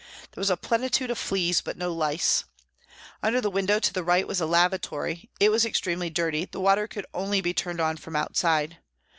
There was a plenitude of fleas, but no lice. Under the window to the right was a lavatory, it was extremely dirty, the water could only be turned on from outside.